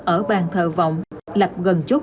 ở bàn thờ vọng lập gần chốt